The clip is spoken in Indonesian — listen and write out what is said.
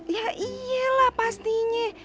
ya iya lah pastinya